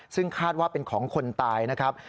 ซึ่งคาดว่าเป็นของคนตายนะครับ